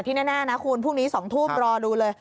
แน่นะคุณพรุ่งนี้๒ทุ่มรอดูเลย